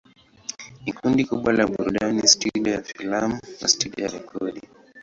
Ni kundi kubwa la burudani, studio ya filamu na studio ya rekodi.